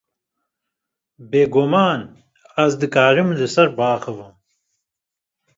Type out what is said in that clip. Bê guman, ez dikarim li ser biaxivim.